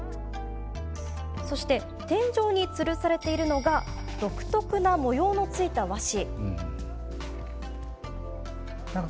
天井に、つるされているのが独特な模様のついた和紙。